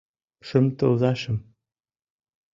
Шым тылзашым...